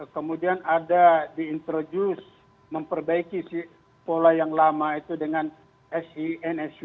kemudian ada diintroduce memperbaiki pola yang lama itu dengan si nsw